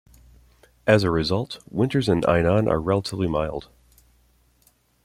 As a result, winters in Ainan are relatively mild.